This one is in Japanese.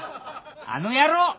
あの野郎！